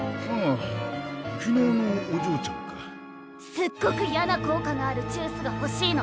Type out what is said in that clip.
すっごくいやな効果があるジュースがほしいの。